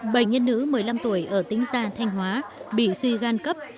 bệnh nhân nữ một mươi năm tuổi ở tỉnh gia thanh hóa bị suy gan cấp